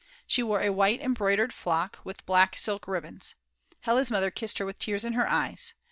She wore a white embroidered frock with black silk ribbons. Hella's mother kissed her with tears in her eyes.